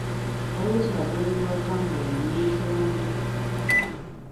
Waliwo Kyagulanyi lw’akambuwala ne ntyamu.